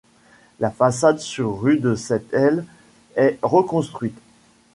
La façade sur rue de cette aile est reconstruite.